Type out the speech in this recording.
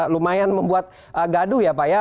lumayan membuat gaduh ya pak ya